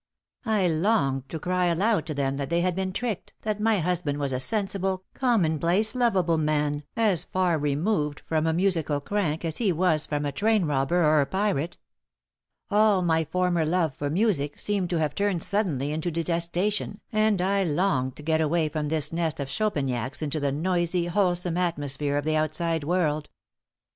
I longed to cry aloud to them that they had been tricked, that my husband was a sensible, commonplace, lovable man, as far removed from a musical crank as he was from a train robber or a pirate. All my former love for music seemed to have turned suddenly into detestation, and I longed to get away from this nest of Chopiniacs into the noisy, wholesome atmosphere of the outside world.